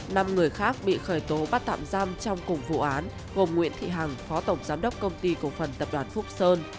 năm người khác bị khởi tố bắt tạm giam trong cùng vụ án gồm nguyễn thị hằng phó tổng giám đốc công ty cổ phần tập đoàn phúc sơn